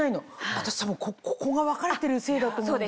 私多分ここが分かれてるせいだと思うんだ。